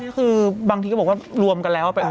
คือบางทีก็บอกว่ารวมกันแล้ว